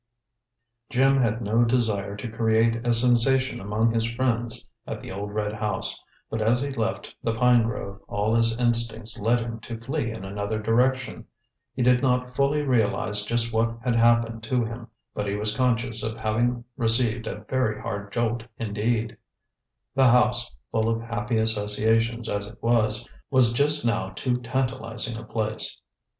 Jim had no desire to create a sensation among his friends at the old red house; but as he left the pine grove all his instincts led him to flee in another direction. He did not fully realize just what had happened to him, but he was conscious of having received a very hard jolt, indeed. The house, full of happy associations as it was, was just now too tantalizing a place.